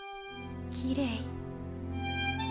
きれい。